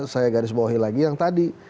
saya garis bawahi lagi yang tadi